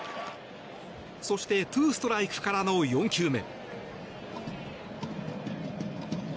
そして２ストライクからの４球目。